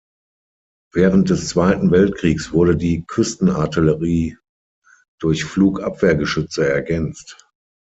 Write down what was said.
Während des Zweiten Weltkriegs wurde die Küstenartillerie durch Flugabwehrgeschütze ergänzt.